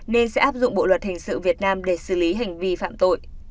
nên sẽ áp dụng bộ luật hình sự việt nam để xử lý hành vi phạm tội